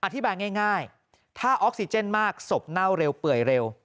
อธิบายง่ายถ้าออกซิเจนมากศพเน่าเร็วเปื่อยเร็ว